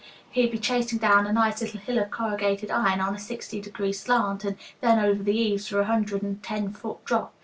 He'd be chasing down a nice little hill of corrugated iron on a sixty degree slant, and then over the eaves for a hundred and ten foot drop.